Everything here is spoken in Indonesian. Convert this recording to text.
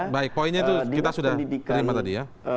baik poinnya itu kita sudah terima tadi ya